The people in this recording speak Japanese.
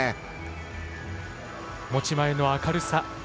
持ち前の明るさ。